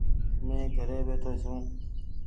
مين گهري ٻيٺو ڇو۔